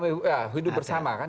ya hidup bersama kan